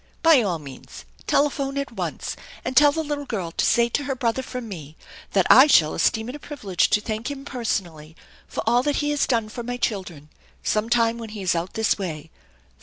By all means telephone at once, and tell the little girl to say to her brother from me that I shall esteem it a privilege to thank him personally for all that he has done for my children, sometime when he is out this way.